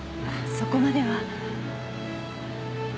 そこまでは。